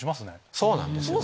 そうなんですよね。